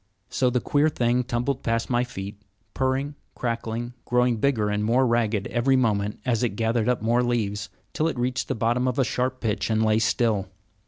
So the queer thing tumbled past my feet, purring, crackling, growing bigger and more ragged every moment as it gathered up more leaves, till it reached the bottom of a sharp pitch and lay still.